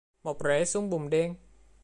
mọc rễ xuống bùn đen?